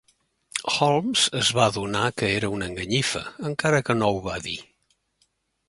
Holmes es va adonar que era una enganyifa, encara que no ho va dir.